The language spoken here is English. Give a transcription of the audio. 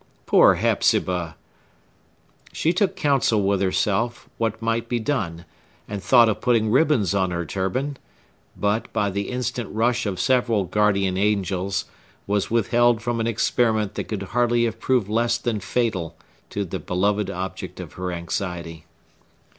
Poor Hepzibah! She took counsel with herself what might be done, and thought of putting ribbons on her turban; but, by the instant rush of several guardian angels, was withheld from an experiment that could hardly have proved less than fatal to the beloved object of her anxiety.